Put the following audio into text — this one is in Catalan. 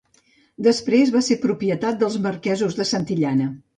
Després va ser propietat dels marquesos de Santillana.